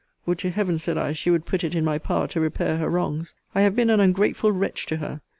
Would to Heaven, said I, she would put it in my power to repair her wrongs! I have been an ungrateful wretch to her.